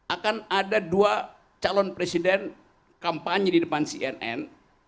akan ada dua calon presiden kampanye di depan cnn